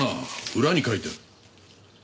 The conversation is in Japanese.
裏に書いてある。